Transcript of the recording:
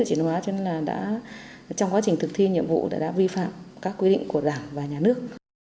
cho nên là trong quá trình thực thi nhiệm vụ đã vi phạm các quyết định của đảng và nhà nước